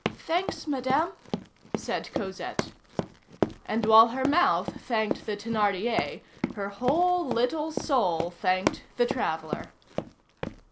"Thanks, Madame," said Cosette. And while her mouth thanked the Thénardier, her whole little soul thanked the traveller.